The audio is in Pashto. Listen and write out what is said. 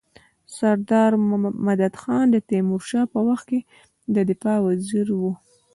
سردار مددخان د تيمورشاه په وخت کي د دفاع وزیر وو.